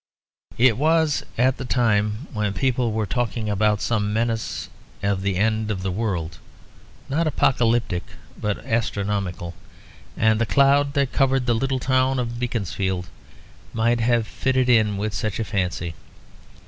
It was at the time when people were talking about some menace of the end of the world, not apocalyptic but astronomical; and the cloud that covered the little town of Beaconsfield might have fitted in with such a fancy.